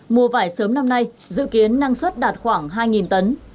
mua vải sớm năm nay dự kiến năng suất đạt khoảng hai tấn